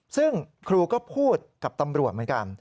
ซึ่งครูก็พูดกับตำรวจเหมือนกัน